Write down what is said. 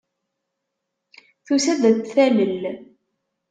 Tusa-d ad t-talel.